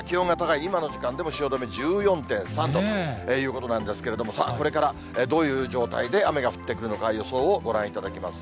今の時間でも汐留１４．３度ということなんですけれども、これからどういう状態で雨が降ってくるのか、予想をご覧いただきます。